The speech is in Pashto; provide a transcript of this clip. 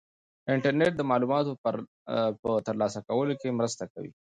انټرنيټ د معلوماتو په ترلاسه کولو کې مرسته کوي.